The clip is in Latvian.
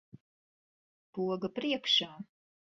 Poga priekšā.